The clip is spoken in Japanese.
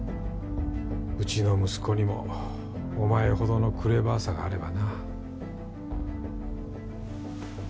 うちの息子にもおまえほどのクレバーさがあればな。